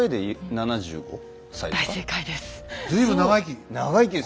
大正解です。